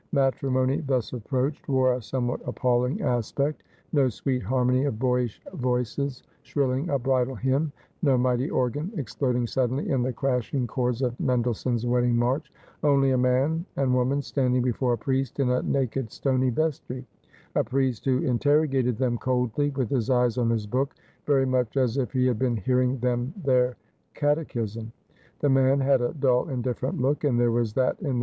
Matrimony thus approached wore a somewhat appalling aspect : no sweet harmony of boyish voices shrilling a bridal hymn ; no mighty organ exploding suddenly in the crashing chords of Mendelssohn's Wedding March ; only a man and woman stand ing before a priest in a naked stony vestry ; a priest who inter '/ 7nay not don as every Plougliman may.'' 303 rogated them coldly, with his eyes on his book, very much as if he had been hearing them their Catechism. The man had a dull indifferent look, and there was that in the